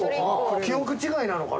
記憶違いなのかな。